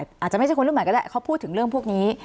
อาจจะไม่ใช่คนรุ่นใหม่ก็ได้เขาพูดถึงเรื่องพวกนี้